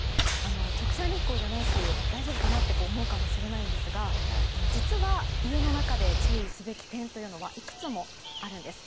直射日光じゃないし大丈夫かなと思うかもしれないんですが実は、家の中で注意すべき点というのはいくつもあるんです。